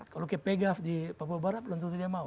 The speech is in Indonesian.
kalau kepegaf di papua barat belum tentu dia mau